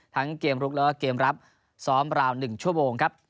ทั้งเกมลุกแล้วก็เกมรับซ้อมราว๑ชั่วโมงครับ